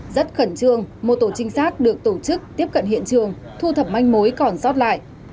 rất khẩn trương một tổ trinh sát được tổ chức tiếp cận hiện trường thu thập manh mối còn sót lại